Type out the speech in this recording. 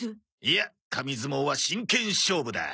いや紙相撲は真剣勝負だ。